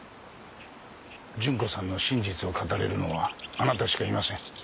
純子さんの真実を語れるのはあなたしかいません。